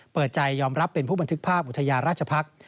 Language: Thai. เปิดใจยอมรับเป็นผู้บันทึกภาพอุทยานราชพักษ์